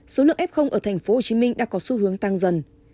số lượng f ở thành phố hồ chí minh đã có xu hướng tăng dần